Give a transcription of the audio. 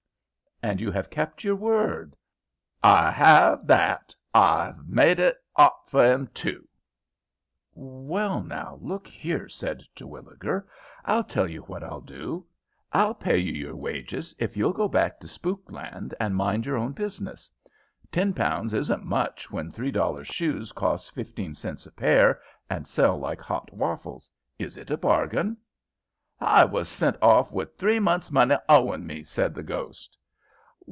'" "And you have kept your word." "H'I 'ave that! H'I've made it 'ot for 'em, too." "Well, now, look here," said Terwilliger, "I'll tell you what I'll do. I'll pay you your wages if you'll go back to Spookland and mind your own business. Ten pounds isn't much when three dollar shoes cost fifteen cents a pair and sell like hot waffles. Is it a bargain?" "H'I was sent off with three months' money owin' me," said the ghost.